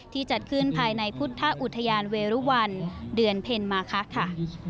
จัดขึ้นภายในพุทธอุทยานเวรุวันเดือนเพ็ญมาคะค่ะ